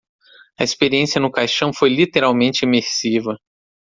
A experiência no caixão foi literalmente imersiva.